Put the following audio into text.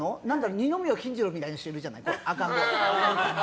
二宮金次郎みたいにしている人いるじゃない。